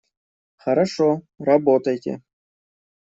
Хорошо, работайте!